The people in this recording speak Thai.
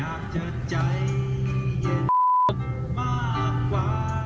อะไรวะ